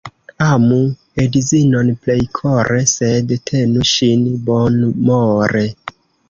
Amu edzinon plej kore, sed tenu ŝin bonmore.